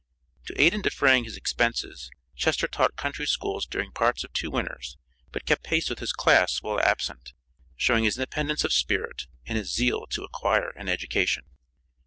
To aid in defraying his expenses, Chester taught country schools during parts of two winters, but kept pace with his class while absent, showing his independence of spirit, and his zeal to acquire an education.